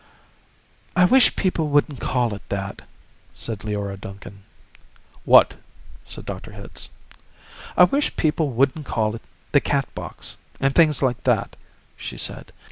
"I wish people wouldn't call it that," said Leora Duncan. "What?" said Dr. Hitz. "I wish people wouldn't call it 'the Catbox,' and things like that," she said.